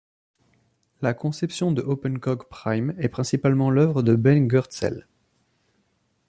La conception de OpenCog Prime est principalement l'œuvre de Ben Goertzel.